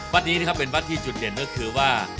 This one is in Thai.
วัดนี้นะครับเป็นวัดที่จุดเด่นก็คือว่า